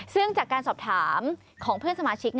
ซึ่งจากการสอบถามของเพื่อนสมาชิก